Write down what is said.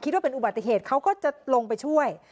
ว่าเป็นอุบัติเหตุเขาก็จะลงไปช่วย